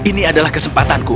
ini adalah kesempatanku